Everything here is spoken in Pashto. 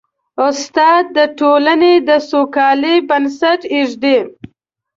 استاد د ټولنې د سوکالۍ بنسټ ږدي.